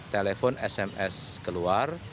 telepon sms keluar